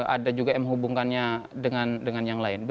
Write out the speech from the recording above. ada juga yang menghubungkannya dengan yang lain